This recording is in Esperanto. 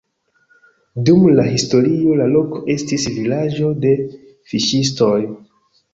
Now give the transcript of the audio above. Dum la historio la loko estis vilaĝo de fiŝistoj.